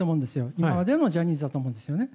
今までのジャニーズだと思うんですよね。